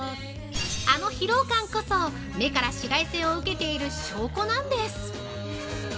あの疲労感こそ目から紫外線を受けている証拠なんです。